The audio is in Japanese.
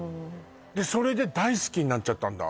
それで大好きになっちゃったんだ